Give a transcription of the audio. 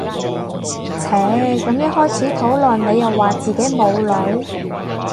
唓咁一開始討論你又話自己冇女